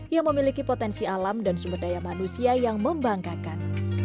yang memiliki potensi alam dan sumber daya manusia yang membanggakan